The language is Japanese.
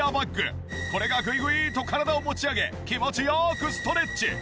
これがグイグイと体を持ち上げ気持ち良くストレッチ！